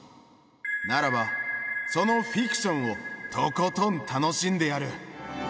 ならば、そのフィクションをとことん楽しんでやる。